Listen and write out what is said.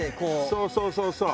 そうそうそうそう。